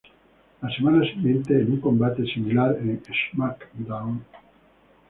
La semana siguiente, en un combate similar en "SmackDown!